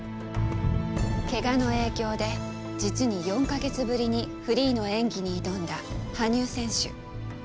ケガの影響で実に４か月ぶりにフリーの演技に挑んだ羽生選手。